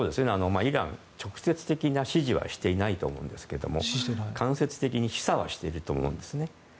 イラン、直接的な指示はしていないと思いますが間接的に示唆はしていると思うんですね。